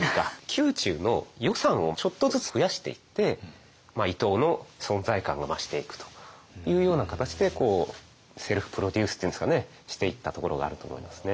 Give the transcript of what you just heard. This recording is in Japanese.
宮中の予算をちょっとずつ増やしていって伊藤の存在感が増していくというような形でこうセルフプロデュースっていうんですかねしていったところがあると思いますね。